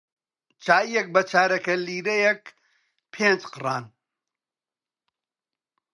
چایییەک بە چارەگە لیرەیەک پێنج قڕان